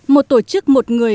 một tổ chức một người